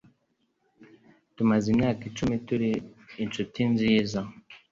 Tumaze imyaka icumi turi inshuti nziza.